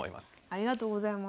ありがとうございます。